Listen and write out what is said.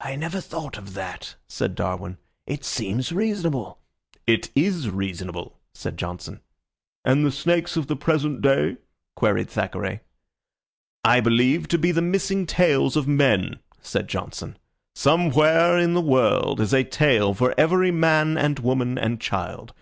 "I never thought of that," said Darwin. "It seems reasonable." "It is reasonable," said Johnson. "And the snakes of the present day?" queried Thackeray. "I believe to be the missing tails of men," said Johnson. "Somewhere in the world is a tail for every man and woman and child.